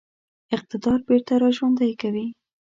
اقتدار بیرته را ژوندی کوي.